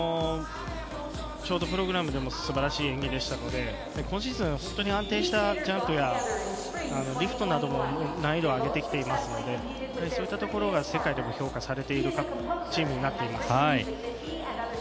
ショートプログラムでも素晴らしい演技でしたので今シーズン本当に安定したジャンプやリフトなども難易度を上げてきていますのでそういったところが世界でも評価されているチームになっています。